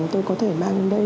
tôi có thể mang đến đây